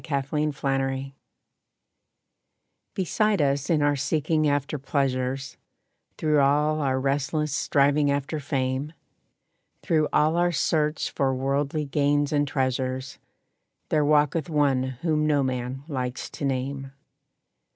=The Question= Beside us in our seeking after pleasures, Through all our restless striving after fame, Through all our search for worldly gains and treasures, There walketh one whom no man likes to name.